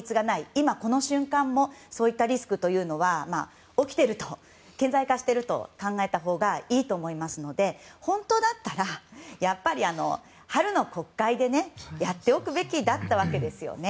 今この瞬間もそういったリスクというのは起きている、顕在化していると考えたほうがいいと思いますので本当だったらやっぱり、春の国会でやっておくべきだったわけですよね。